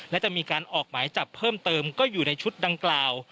และจะมีการออกหมายจับเพิ่มเติมก็อยู่ในชุดดังกล่าว